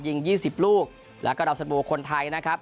ยิง๒๐ลูกแล้วก็โดรสนวัลคนไทยนะครับ